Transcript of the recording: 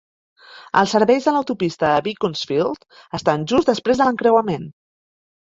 Els serveis de l'autopista de Beaconsfield estan just després de l'encreuament.